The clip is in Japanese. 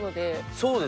そうですね。